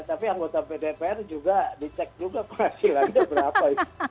tapi anggota pdpr juga dicek juga kehasilannya berapa